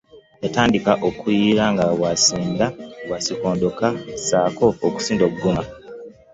Yatandika okuyira nga bw'asinda, bw'asikondoka, ssaako okusindogoma.